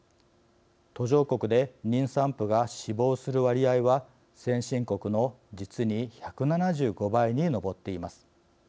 途上国で妊産婦が死亡する割合は先進国の実に１７５倍に上っています。